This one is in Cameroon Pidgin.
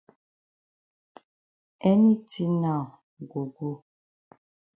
Any tin now go go.